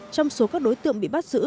trong số các đối tượng bị bắt giữ